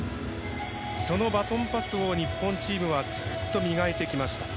そのバトンパスを日本チームはずっと磨いてきました。